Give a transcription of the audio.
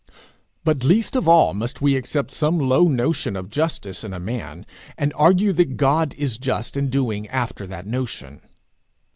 But least of all must we accept some low notion of justice in a man, and argue that God is just in doing after that notion.